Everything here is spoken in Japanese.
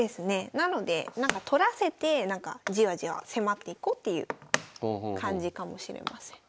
なのでなんか取らせてじわじわ迫っていこうっていう感じかもしれません。